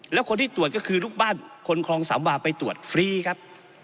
แล้วคนที่ตรวจก็คือลูกบ้านคนคลองสามวาไปตรวจฟรีครับ